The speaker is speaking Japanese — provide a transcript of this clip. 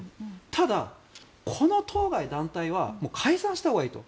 ただ、この当該団体はもう解散したほうがいいと。